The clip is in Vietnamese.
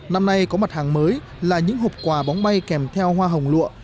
năm nay có mặt hàng mới là những hộp quà bóng bay kèm theo hoa hồng lụa